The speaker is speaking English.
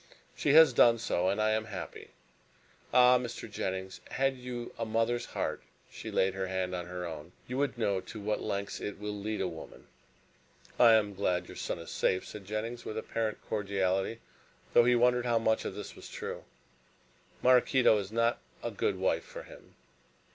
She has done so, and I am happy. Ah, Mr. Jennings, had you a mother's heart," she laid her hand on her own, "you would know to what lengths it will lead a woman!" "I am glad your son is safe," said Jennings, with apparent cordiality, though he wondered how much of this was true. "Maraquito is not a good wife for him.